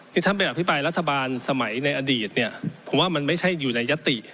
ที่ท่านไปอภิปรายรัฐบาลสมัยในอดีตเนี่ยผมว่ามันไม่ใช่อยู่ในยติ